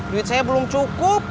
duit saya belum cukup